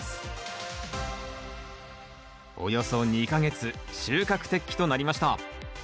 およそ２か月収穫適期となりました